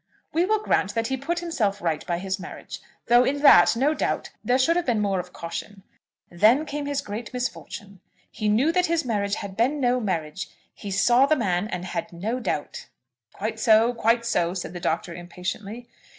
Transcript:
"We will grant that he put himself right by his marriage, though in that, no doubt, there should have been more of caution. Then came his great misfortune. He knew that his marriage had been no marriage. He saw the man and had no doubt." "Quite so; quite so," said the Doctor, impatiently.